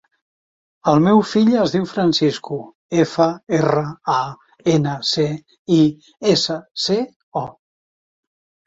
El meu fill es diu Francisco: efa, erra, a, ena, ce, i, essa, ce, o.